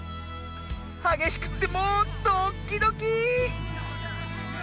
はげしくってもうドッキドキー！